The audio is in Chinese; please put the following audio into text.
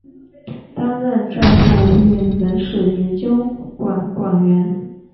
担任政务院文史研究馆馆员。